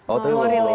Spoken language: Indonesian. oh tapi belum keluar